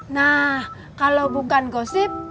nah kalau bukan gosip